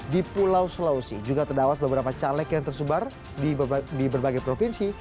di pulau sulawesi juga terdapat beberapa caleg yang tersebar di berbagai provinsi